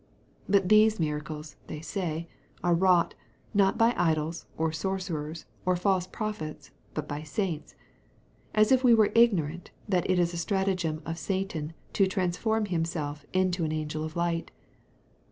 " But these miracles (they say) are wrought, not by idols, or sorcerers, or false prophets, but by saints; as if we were ignorant, that it is a stratagem of Satan to "transform" himself "into an angel of light."